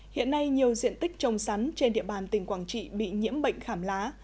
hiện nay nhiều diện tích trồng sắn trên địa bàn tỉnh quảng trị bị nhiễm bệnh khảm lá